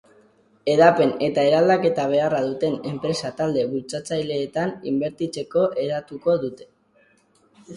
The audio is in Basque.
Hedapen eta eraldaketa beharra duten enpresa talde bultzatzaileetan inbertitzeko eratuko dute.